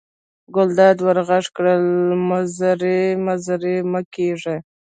ګلداد ور غږ کړل: مزری مزری مه کېږه.